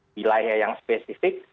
wilayah yang spesifik